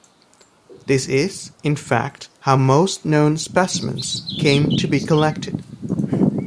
This is, in fact, how most known specimens came to be collected.